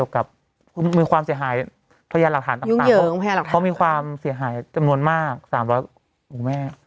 กับมีความเสียหายพยานหลักฐานต่างเพราะมีความเสียหายจำนวนมาก๓๐๐คุณแม่